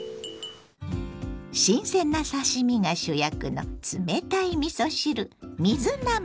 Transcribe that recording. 新鮮な刺身が主役の冷たいみそ汁水なます。